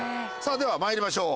ではまいりましょう。